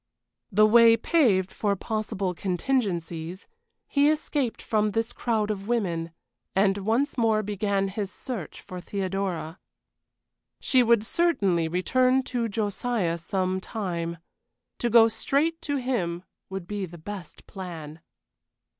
The way paved for possible contingencies, he escaped from this crowd of women, and once more began his search for Theodora. She would certainly return to Josiah some time. To go straight to him would be the best plan.